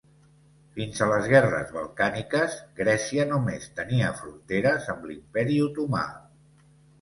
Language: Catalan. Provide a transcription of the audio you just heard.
Fins a les guerres balcàniques, Grècia només tenia fronteres amb l'Imperi otomà.